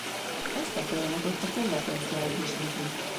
Ezt a folyamatot a konvergenciáig ismétlik.